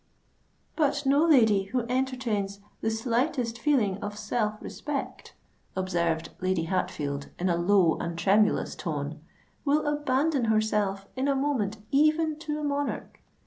"But no lady who entertains the slightest feeling of self respect," observed Lady Hatfield, in a low and tremulous tone, "will abandon herself in a moment even to a monarch.